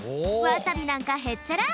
わさびなんかへっちゃら！